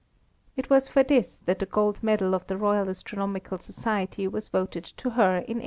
It was for this that the gold medal of the Royal Astronomical Society was voted to her in 1828.